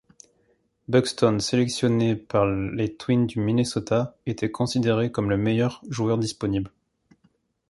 Buxton, sélectionné par les Twins du Minnesota, était considéré comme le meilleur joueur disponible.